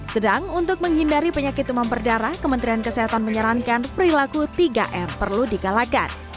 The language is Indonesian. sedang untuk menghindari penyakit demam berdarah kementerian kesehatan menyarankan perilaku tiga m perlu digalakan